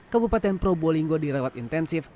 kabupaten probolinggo dirawat intensif